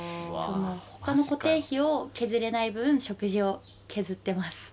他の固定費を削れない分食事を削ってます。